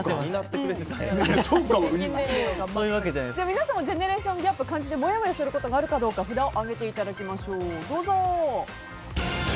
皆さんもジェネレーションギャップ感じてもやもやすることがあるかどうか札を上げていただきましょう。